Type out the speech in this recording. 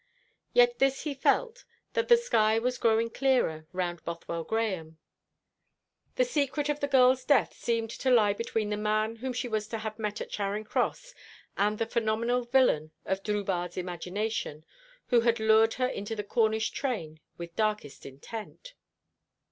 Yet this he felt, that the sky was growing clearer round Bothwell Grahame. The secret of the girl's death seemed to lie between the man whom she was to have met at Charing Cross and the phenomenal villain of Drubarde's imagination, who had lured her into the Cornish train with darkest intent.